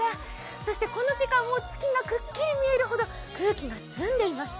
そしてこの時間も月がくっきり見えるほど、空気が澄んでいます。